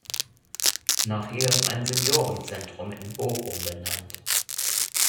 Nach ihr ist ein Seniorenzentrum in Bochum benannt.